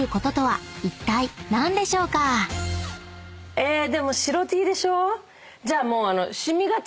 えでも白Ｔでしょ？